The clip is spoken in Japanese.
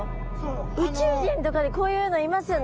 宇宙人とかでこういうのいますよね。